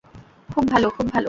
খুব ভালো, খুব ভালো!